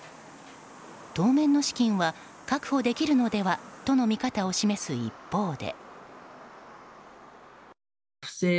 当面の資金は確保できるのではとの見方を示す一方で。